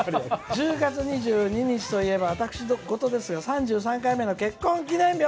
１０月２２日といえば私ごとですが３３回目の結婚記念日」。